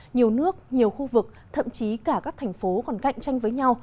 nhiều nước nhiều khu vực thậm chí cả các thành phố còn cạnh tranh với nhau